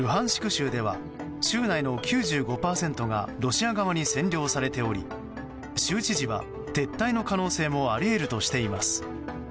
州では州内の９５％がロシア側に占領されており州知事は、撤退の可能性もあり得るとしています。